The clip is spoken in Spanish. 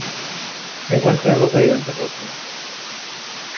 Se encuentra en Europa y Oriente Próximo.